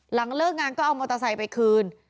เลิกงานก็เอามอเตอร์ไซค์ไปคืน